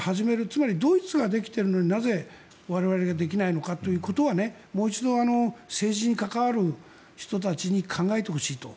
つまり、ドイツができているのになぜ我々ができていないのかということはもう一度政治に関わる人たちに考えてほしいと。